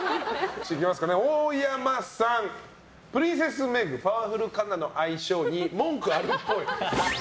大山さん、プリンセス・メグパワフル・カナの愛称に文句あるっぽい。